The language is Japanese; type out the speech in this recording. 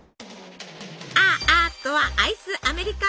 「ア．ア」とはアイスアメリカーノ。